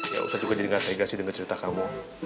ya ustadz juga jadi gak sega sih denger cerita kamu